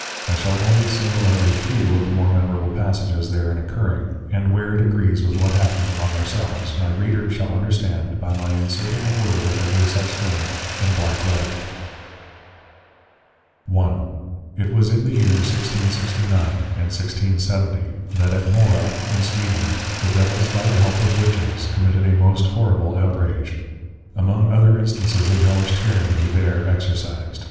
I shall only single out a few of the more Memorable passages therein Occurring; and where it agrees with what happened among ourselves, my Reader shall understand, by my inserting a Word of every such thing in \Black Letter\. I. It was in the Year 1669. and 1670. That at Mohra in Sweedland, the \Devils\ by the help of \Witches\, committed a most horrible outrage. Among other Instances of Hellish Tyranny there exercised.